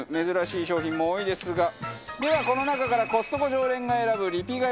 珍しい商品も多いですがではこの中からコストコ常連が選ぶリピ